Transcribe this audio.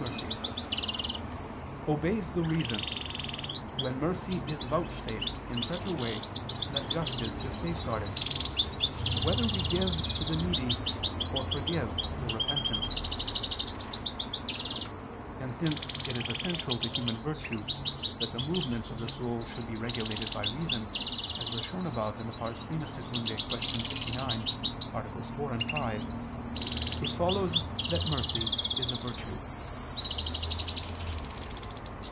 mercy) "obeys the reason, when mercy is vouchsafed in such a way that justice is safeguarded, whether we give to the needy or forgive the repentant." And since it is essential to human virtue that the movements of the soul should be regulated by reason, as was shown above (I II, Q. 59, AA. 4, 5), it follows that mercy is a virtue.